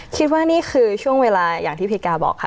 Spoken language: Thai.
คิดว่านี่คือช่วงเวลาอย่างที่พี่กาบอกค่ะ